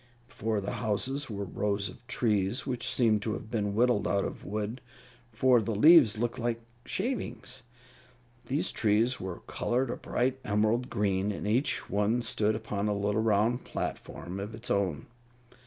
Before the houses were rows of trees which seemed to have been whittled out of wood, for the leaves looked like shavings. These trees were colored a bright emerald green, and each one stood upon a little round platform of its own.